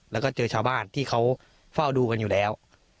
แล้วก็เจอชาวบ้านที่เขาเฝ้าดูกันอยู่แล้ว